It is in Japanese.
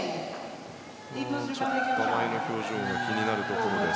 ちょっと玉井の表情が気になるところです。